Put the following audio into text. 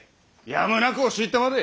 やむなく押し入ったまで！